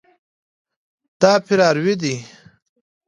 دا فراروی ده.